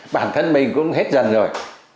bản thân mình cũng hết dần rồi